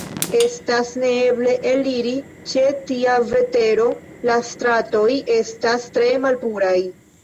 Estas neeble eliri ĉe tia vetero; la stratoj estas tre malpuraj.